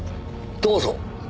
どうぞ。